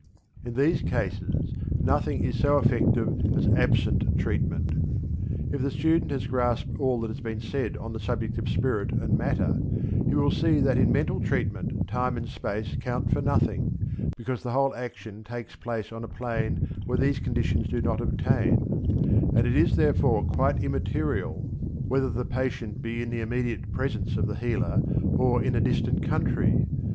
In these cases nothing is so effective as absent treatment. If the student has grasped all that has been said on the subject of spirit and matter, he will see that in mental treatment time and space count for nothing, because the whole action takes place on a plane where these conditions do not obtain; and it is therefore quite immaterial whether the patient be in the immediate presence of the healer or in a distant country.